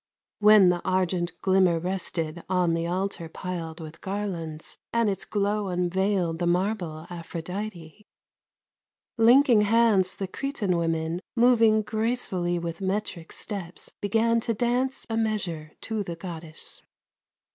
When the argent glimmer rested On the altar piled with garlands, And its glow unveiled the marble Aphrodite; Linking hands, the Cretan women Moving gracefully with metric Steps began to dance a measure To the Goddess.